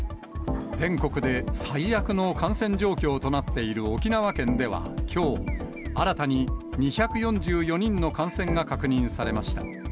全国で最悪の感染状況となっている沖縄県ではきょう、新たに２４４人の感染が確認されました。